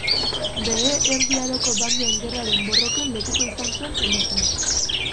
Behe Erdi Aroko bandoen gerraren borroken lekuko izan zen eliza.